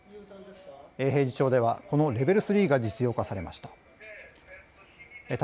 永平寺町ではこのレベル３が実用化されました。